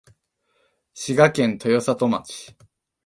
滋賀県豊郷町